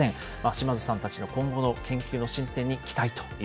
島津さんたちの今後の研究の進展